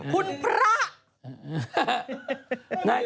คุณพระ